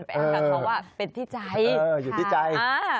ไปอ้างกับเขาว่าเป็นที่ใจอยู่ที่ใจ